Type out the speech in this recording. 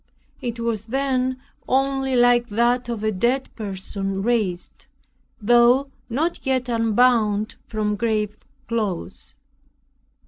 It was then only like that of a dead person raised, though not yet unbound from grave clothes.